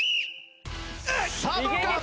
さあどうか？